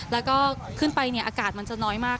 แล้วก็ขึ้นไปเนี่ยอากาศมันจะน้อยมาก